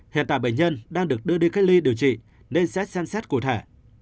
hiện tại bệnh nhân đang được đưa đi cách ly điều trị nên xét xem xét cụ thể